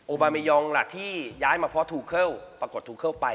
บาเมยองล่ะที่ย้ายมาเพราะทูเคิลปรากฏทูเคิลไป